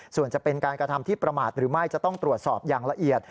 ส่วนจะเป็นการกระทำที่ประมาทหรือไม่จะต้องตรวจสอบอย่างละเอียด